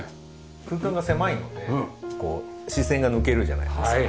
空間が狭いのでこう視線が抜けるじゃないですか。